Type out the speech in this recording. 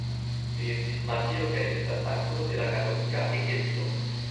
Li estis martiro kaj estas sanktulo de la Katolika Eklezio.